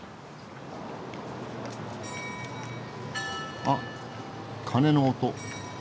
あっ鐘の音。